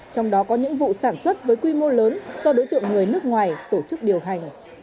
trong đó có những vụ sản xuất với quy mô lớn do đối tượng người nước ngoài tổ chức điều hành